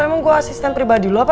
emang gue asisten pribadi lo pak